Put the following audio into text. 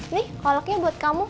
nih koloknya buat kamu